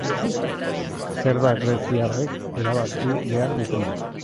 Zer da greziarrek erabaki behar dutena?